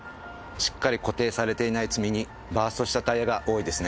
しっかり固定されていない積み荷バーストしたタイヤが多いですね。